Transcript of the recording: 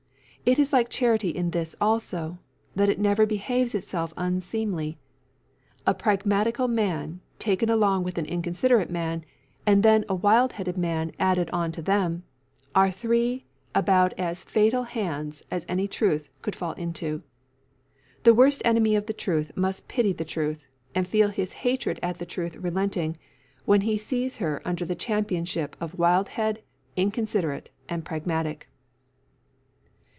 It is like charity in this also, that it never behaves itself unseemly. A pragmatical man, taken along with an inconsiderate man, and then a wild headed man added on to them, are three about as fatal hands as any truth could fall into. The worst enemy of the truth must pity the truth, and feel his hatred at the truth relenting, when he sees her under the championship of Wildhead, Inconsiderate, and Pragmatic.